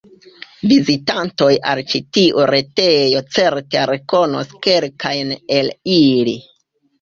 Vizitantoj al ĉi tiu retejo certe rekonos kelkajn el ili.